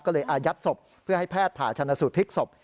ก็เลยอายัดศพเพื่อให้แพทย์ผ่าชนะสูตรพลิกศพ